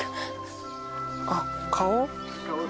あっ顔？